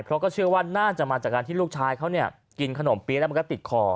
เพราะก็เชื่อว่าน่าจะมาจากการที่ลูกชายเขาเนี่ยกินขนมเปี๊ยะแล้วมันก็ติดคอ